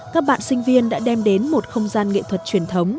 các bạn sinh viên đã đem đến một không gian nghệ thuật truyền thống